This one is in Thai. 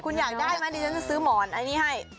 คุณอยากได้ไหมดิฉันจะซื้อหมอนอันนี้ให้